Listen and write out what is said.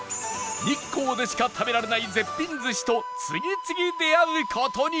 日光でしか食べられない絶品寿司と次々出会う事に